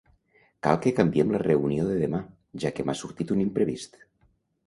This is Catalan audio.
Cal que canviem la reunió de demà, ja que m'ha sortit un imprevist.